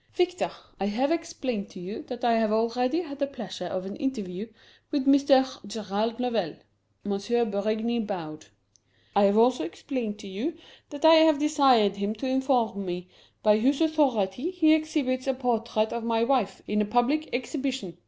"Victor, I have explained to you that I have already had the pleasure of an interview with Mr. Gerald Lovell." M. Berigny bowed. "I have also explained to you that I have desired him to inform me by whose authority he exhibits a portrait of my wife in a public exhibition.